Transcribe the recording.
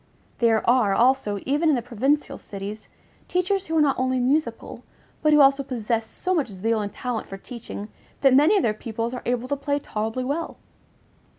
There are, also, even in the provincial cities, teachers who are not only musical, but who also possess so much zeal and talent for teaching that many of their pupils are able to play tolerably well.